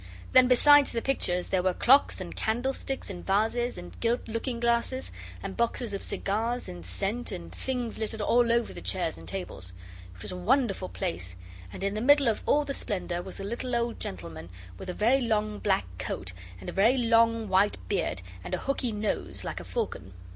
Then besides the pictures there were clocks and candlesticks and vases, and gilt looking glasses, and boxes of cigars and scent and things littered all over the chairs and tables. It was a wonderful place, and in the middle of all the splendour was a little old gentleman with a very long black coat and a very long white beard and a hookey nose like a falcon.